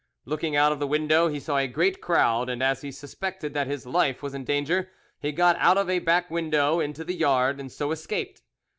Looking out of the window, he saw a great crowd, and as he suspected that his life was in danger, he got out of a back window into the yard and so escaped.